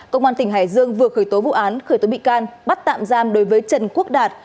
công an tỉnh hải dương vừa khởi tố vụ án khởi tố bị can bắt tạm giam đối với trần quốc đạt